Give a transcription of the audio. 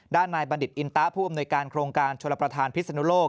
นายบัณฑิตอินตะผู้อำนวยการโครงการชลประธานพิศนุโลก